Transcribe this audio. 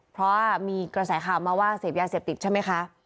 เพราะว่ามีกระแสข่าวมาว่าเสพยาเสพติดใช่ไหมคะ